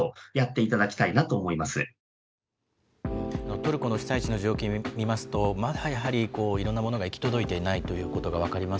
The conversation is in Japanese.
トルコの被災地の状況見ますと、まだやはりいろんなものが行き届いていないということが分かります。